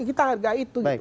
kita hargai itu